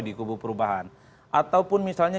di kubu perubahan ataupun misalnya